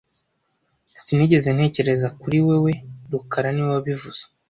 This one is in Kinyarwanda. Sinigeze ntekereza kuri wewe rukara niwe wabivuze